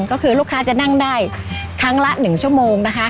ก็คือลูกค้าจะนั่งได้ครั้งละ๑ชั่วโมงนะคะ